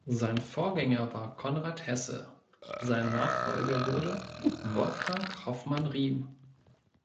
Sein Vorgänger war Konrad Hesse, sein Nachfolger wurde Wolfgang Hoffmann-Riem.